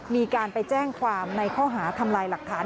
มีการไปแจ้งความในข้อหาทำลายหลักฐาน